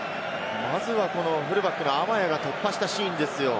まずはフルバックのアマヤが突破したシーンですよ。